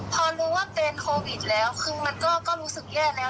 พอรู้ว่าเป็นโควิดแล้วคือมันก็รู้สึกแย่แล้ว